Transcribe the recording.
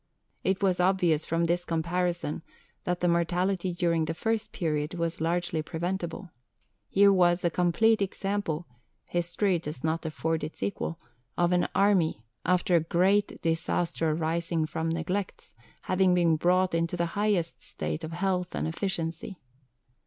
It was obvious from this comparison that the mortality during the first period was largely preventable. Here was "a complete example history does not afford its equal of an army, after a great disaster arising from neglects, having been brought into the highest state of health and efficiency."